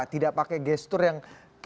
tidak pakai gestur yang